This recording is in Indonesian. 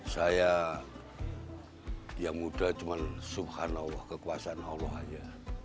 saya yang muda cuma subhanallah kekuasaan allah aja